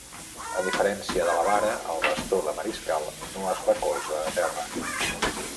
A diferència de la vara, el bastó de mariscal no es recolza a terra.